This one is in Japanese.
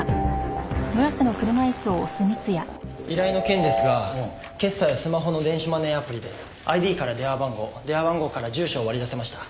依頼の件ですが決済はスマホの電子マネーアプリでＩＤから電話番号電話番号から住所を割り出せました。